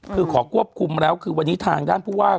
คือขอควบคุมแล้วคือวันนี้ทางด้านผู้ว่า